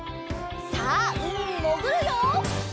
さあうみにもぐるよ！